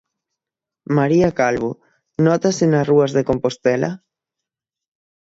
María Calvo, nótase nas rúas de Compostela?